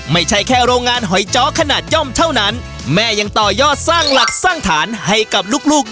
ไม่ใช่แค่โรงงานหอยจ้อขนาดย่อมเท่านั้นแม่ยังต่อยอดสร้างหลักสร้างฐานให้กับลูกลูก